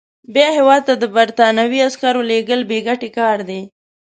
بیا هیواد ته د برټانوي عسکرو لېږل بې ګټې کار دی.